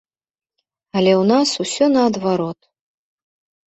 Але ў нас усё наадварот.